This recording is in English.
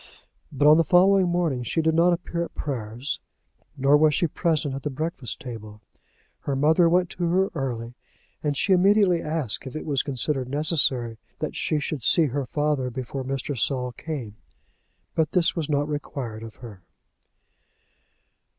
But on the following morning she did not appear at prayers, nor was she present at the breakfast table. Her mother went to her early, and she immediately asked if it was considered necessary that she should see her father before Mr. Saul came. But this was not required of her.